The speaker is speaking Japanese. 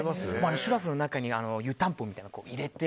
シュラフの中に湯たんぽみたいなのを入れて。